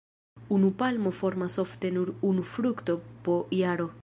Unu palmo formas ofte nur unu frukto po jaro.